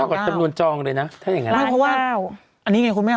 ก่อนกว่าจำนวนจองเลยนะถ้าอย่างนี้นะครับอันนี้ไงคุณแม่